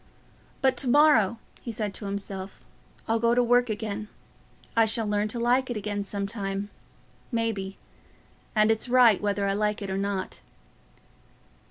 "But to morrow," he said to himself, "I'll go to work again. I shall learn to like it again some time, maybe; and it's right whether I like it or not."